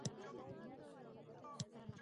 ټکنالوژي څنګه فساد کموي؟